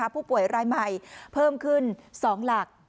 ผู้ป่วยรายใหม่เพิ่มขึ้น๒หลัก